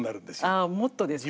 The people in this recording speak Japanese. ああもっとですか。